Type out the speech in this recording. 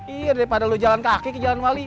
iya daripada lo jalan kaki ke jalan wali